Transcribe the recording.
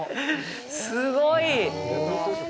すごい！